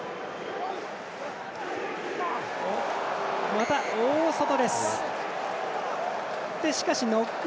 また、大外です。